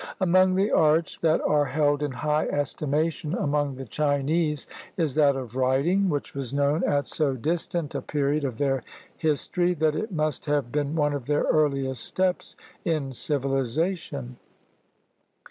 Among the arts that are held in high estimation among the Chinese is that of writing, which was known at so distant a period of their history that it must have been one of their earliest steps in civilization.